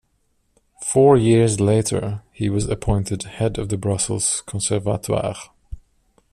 Four years later, he was appointed head of the Brussels Conservatoire.